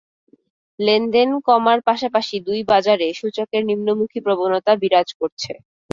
লেনদেন কমার পাশাপাশি দুই বাজারে সূচকের নিম্নমুখী প্রবণতা বিরাজ করছে।